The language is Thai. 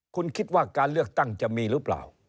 คุณคิดว่าการเลือกตั้งจะมีหรือเปล่า